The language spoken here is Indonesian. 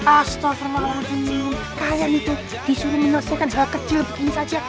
astagfirullahaladzim kalian itu disuruh menyelesaikan hal kecil begini saja